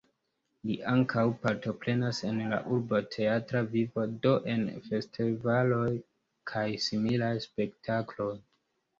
Li ankaŭ partoprenas en la urba teatra vivo, do en festivaloj kaj similaj spektakloj.